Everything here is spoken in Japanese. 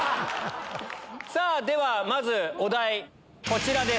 ではまずお題こちらです。